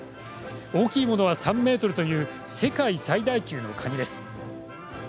大きいものは３ｍという世界最大級のカニです。